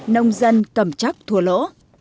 nông dân cầm chắc thua lỗ